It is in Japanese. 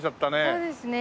そうですね。